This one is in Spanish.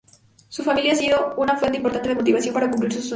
Su familia ha sido una fuente importante de motivación para cumplir sus sueños.